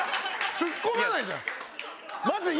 ツッコまないじゃん。